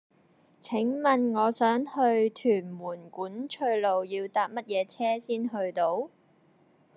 請問我想去屯門管翠路要搭乜嘢車先去到